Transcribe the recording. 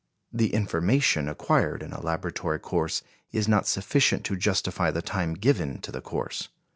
The information acquired in a laboratory course is not sufficient to justify the time given to the course.